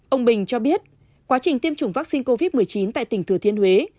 ông bình cho biết quá trình tiêm chủng vaccine covid một mươi chín tại tỉnh thừa thiên huế